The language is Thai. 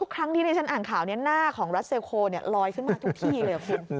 ครั้งที่ที่ฉันอ่านข่าวนี้หน้าของรัสเซลโคลอยขึ้นมาทุกที่เลยคุณ